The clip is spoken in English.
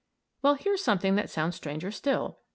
Well, here's something that sounds stranger still.